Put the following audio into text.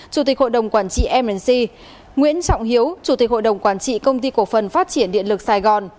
chủ tịch hội đồng quản trị mnc nguyễn trọng hiếu chủ tịch hội đồng quản trị công ty cổ phần phát triển điện lực sài gòn